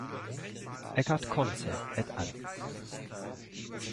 Eckart Conze et al.